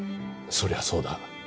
そりゃそうだ。